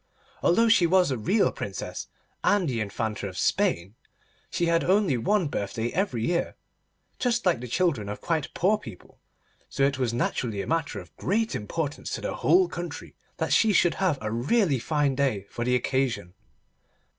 Although she was a real Princess and the Infanta of Spain, she had only one birthday every year, just like the children of quite poor people, so it was naturally a matter of great importance to the whole country that she should have a really fine day for the occasion.